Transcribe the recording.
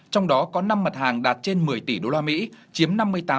trong đó có năm mặt hàng đạt trên một mươi tỷ usd chiếm năm mươi tám